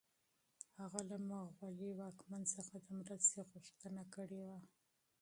هغه له مغلي واکمن څخه د مرستې غوښتنه کړې وه.